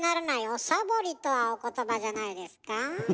「おサボリ」とはお言葉じゃないですか。